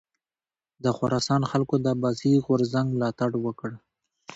د خراسان خلکو د عباسي غورځنګ ملاتړ وکړ.